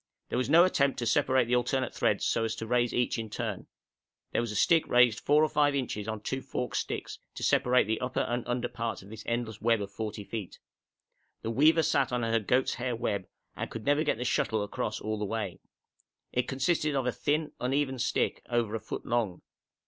There was no attempt to separate the alternate threads so as to raise each in turn. There was a stick raised 4 or 5 inches on two forked sticks to separate the upper and under parts of this endless web of 40 feet. The weaver sat on her goat's hair web, and never could get the shuttle across all the way. It consisted of a thin uneven stick, over a foot long.